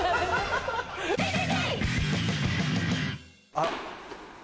あっ。